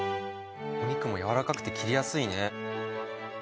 お肉もやわらかくて切りやすいね。